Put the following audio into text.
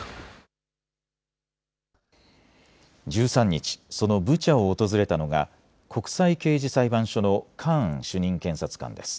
１３日、そのブチャを訪れたのが国際刑事裁判所のカーン主任検察官です。